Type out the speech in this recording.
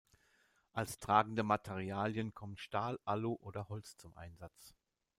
Als tragende Materialien kommen Stahl, Alu oder Holz zum Einsatz.